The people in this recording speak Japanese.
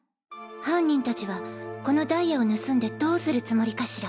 犯人達はこのダイヤを盗んでどうするつもりかしら？